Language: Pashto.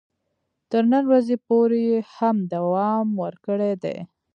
تر نن ورځې پورې یې هم دوام ورکړی دی.